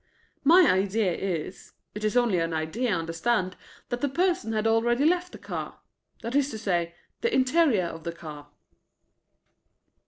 "My idea is it is only an idea, understand that the person had already left the car that is to say, the interior of the car."